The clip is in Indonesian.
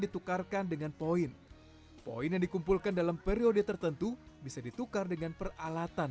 ditukarkan dengan poin poin yang dikumpulkan dalam periode tertentu bisa ditukar dengan peralatan